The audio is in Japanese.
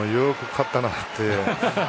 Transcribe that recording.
よく勝ったなと。